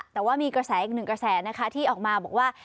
แต่ว่ามีกระแสอีกหนึ่งกระแสนะคะที่ออกมาบอกว่า